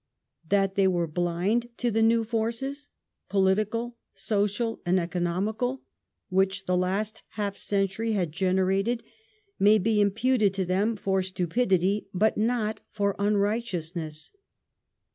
That they were blind to the new forces — political, social, and economical — which the last half century had generated may be imputed to them for stupidity, but not for unrighteousness.